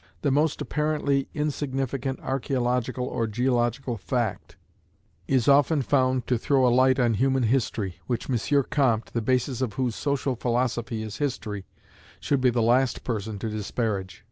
The most apparently insignificant archaeological or geological fact, is often found to throw a light on human history, which M. Comte, the basis of whose social philosophy is history, should be the last person to disparage.